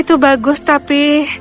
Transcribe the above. itu bagus tapi